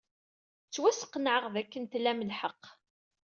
Ttwasqenɛeɣ dakken tlam lḥeqq.